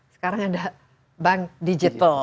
sekarang ada bank digital